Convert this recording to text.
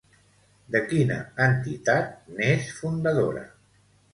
De quina entitat n'és fundadora?